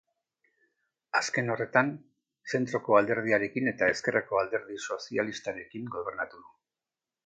Azken horretan, Zentroko Alderdiarekin eta Ezkerreko Alderdi Sozialistarekin gobernatu du.